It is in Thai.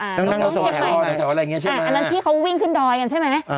อันนั้นที่เขาวิ่งขึ้นดอยใช่ไหม